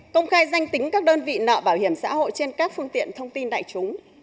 công khai danh tính các đơn vị nợ bảo hiểm xã hội trên các phương tiện thông tin đại chúng